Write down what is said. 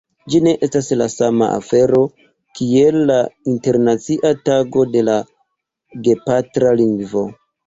Ĝi ne estas la sama afero kiel la Internacia Tago de la Gepatra Lingvo.